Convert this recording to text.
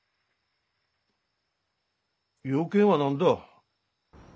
用件は何だ？